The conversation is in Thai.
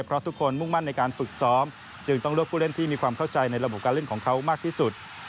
เพราะทุกคนมุ่งมั่นในการฝึกซ้อมจึงต้องเลือกผู้เล่นที่มีความเข้าใจในระบบการเล่นของเขามากที่สุด